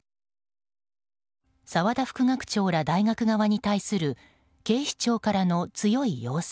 沢田副学長ら大学側に対する警視庁からの強い要請。